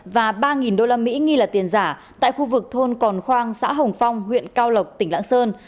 và ba đô la mỹ nghi là tiền giả tại khu vực thôn còn khoang xã hồng phong huyện cao lộc tỉnh lạng sơn